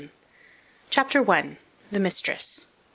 CHAPTER I. THE MISTRESS.